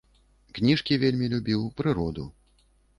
Кніжкі вельмі любіў, прыроду.